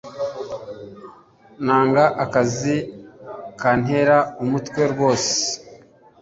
nanga akazi kantera umutwe rwose